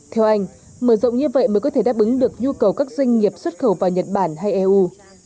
theo anh mở rộng như vậy mới có thể đáp ứng được nhu cầu các doanh nghiệp xuất khẩu vào nhật bản hay eu